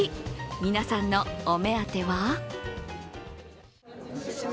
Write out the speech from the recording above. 皆さんのお目当ては？